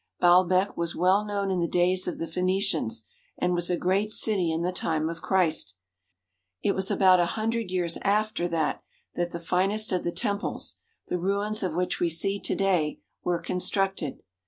Baalbek was well known in the days of the Phoenicians and was a great city in the time of Christ. It was about a hundred years after that that the finest of the temples, the ruins of which we see to day, were constructed.